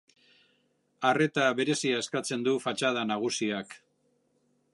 Arreta berezia eskatzen du fatxada nagusiak.